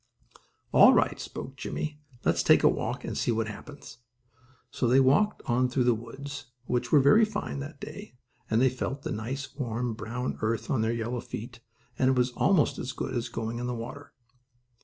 "All right," spoke Jimmie, "let's take a walk, and see what happens." So they walked on through the woods, which were very fine that day, and they felt the nice, warm, brown earth on their yellow feet, and it was almost as good as going in the water.